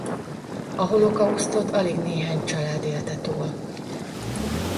A holokausztot alig néhány család élte túl.